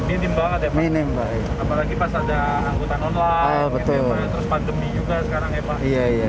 apalagi pas ada anggota non lang terus pandemi juga sekarang ya pak